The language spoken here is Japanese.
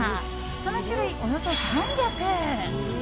その種類、およそ３００。